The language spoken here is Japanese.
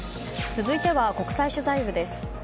続いては国際取材部です。